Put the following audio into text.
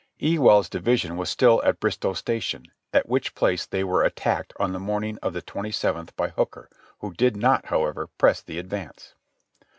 Ewell's di vision was still at Bristow Station, at which place they were at tacked on the morning of the twenty seventh by Hooker, who did not, however, press the advance.